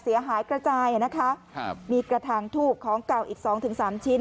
เสียหายกระจายนะคะมีกระทางถูกของเก่าอีก๒๓ชิ้น